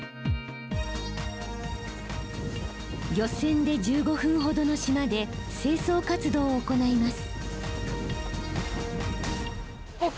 漁船で１５分ほどの島で清掃活動を行います。